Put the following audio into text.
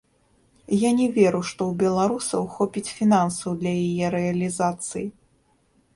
Я не веру, што ў беларусаў хопіць фінансаў для яе рэалізацыі.